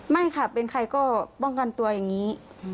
ไม่ค่ะเป็นใครก็ป้องกันตัวอย่างนี้